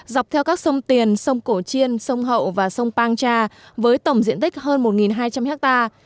dọc theo các sông tiền sông cổ chiên sông hậu và sông pang cha với tổng diện tích hơn một hai trăm linh hectare